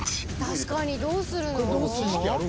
確かにどうするの？